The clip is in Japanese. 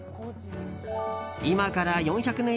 今から４００年